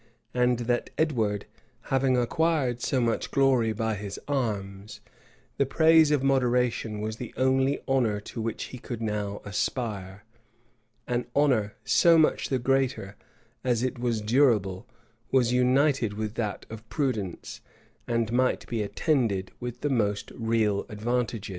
And that Edward having acquired so much glory by his arms, the praise of moderation was the only honor to which he could now aspire; an honor so much the greater, as it was durable, was united with that of prudence, and might be attended with the most real advantages.